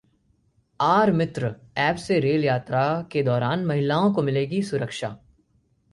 'आर-मित्र' app से रेल यात्रा के दौरान महिलाओं को मिलेगी सुरक्षा